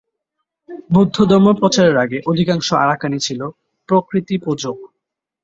বৌদ্ধধর্ম প্রচারের আগে অধিকাংশ আরাকানি ছিল প্রকৃতি পূজক।